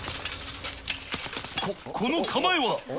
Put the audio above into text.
この構えは。